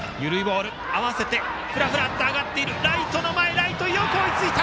ライト、よく追いついた！